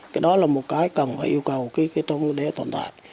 cái đó là một cái cần phải yêu cầu trong đế tồn tại